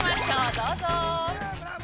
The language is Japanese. どうぞ。